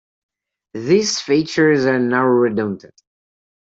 These features are now redundant.